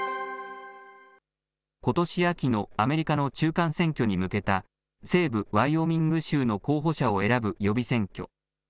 ことし秋のアメリカの中間選挙に向けた西部ワイオミング州の候補者を選ぶ予備選挙。